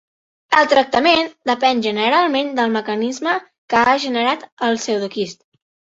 El tractament depèn generalment del mecanisme que ha generat el pseudoquist.